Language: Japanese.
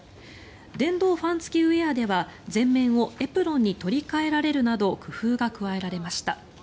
電動ファン付きウェアでは前面をエプロンに取り換えられるなど工夫がうかがわれました。